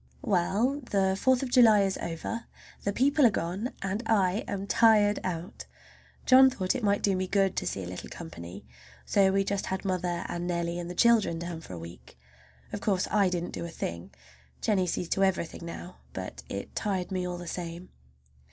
Well, the Fourth of July is over! The people are gone and I am tired out. John thought it might do me good to see a little company, so we just had mother and Nellie and the children down for a week. Of course I didn't do a thing. Jennie sees to everything now. But it tired me all the same.